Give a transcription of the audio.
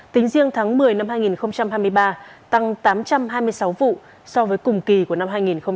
tính riêng tháng một mươi năm hai nghìn hai mươi ba tăng tám trăm hai mươi sáu vụ so với cùng kỳ của năm hai nghìn hai mươi hai